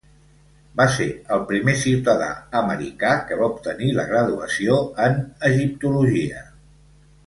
Va ser el primer ciutadà americà que va obtenir la graduació en egiptologia.